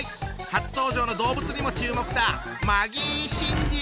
初登場の動物にも注目だ！